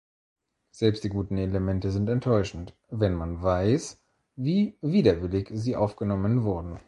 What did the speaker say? Selbst die guten Elemente sind enttäuschend, wenn man weiß, wie widerwillig sie aufgenommen wurden.